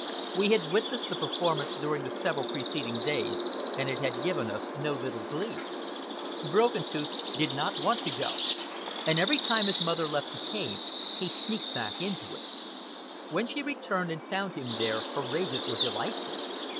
We had witnessed the performance during the several preceding days, and it had given us no little glee. Broken Tooth did not want to go, and every time his mother left the cave he sneaked back into it. When she returned and found him there her rages were delightful.